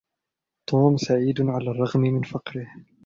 توم سعيدٌ على الرّغم من فقره.